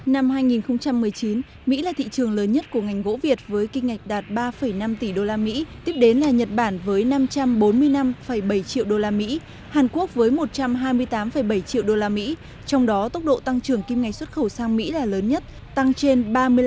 năm hai nghìn một mươi chín mỹ là thị trường lớn nhất của ngành gỗ việt với kim ngạch đạt ba năm tỷ đô la mỹ tiếp đến là nhật bản với năm trăm bốn mươi năm bảy triệu đô la mỹ hàn quốc với một trăm hai mươi tám bảy triệu đô la mỹ trong đó tốc độ tăng trưởng kim ngạch xuất khẩu sang mỹ là lớn nhất tăng trên ba mươi năm